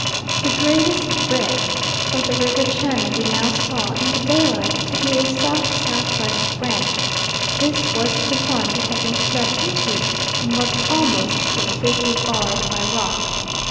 The greatest breadth of the river channel we now saw, in the daylight, to be the S.S.W. branch; this was the one we had been swept into, and was almost completely barred by rock.